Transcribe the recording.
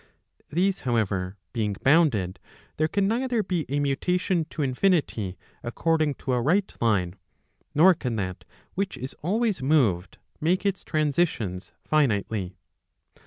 These, however, being bounded, there can neither be a mutation to infinity according to a right line, nor can that which is always moved, make its transitions finitely.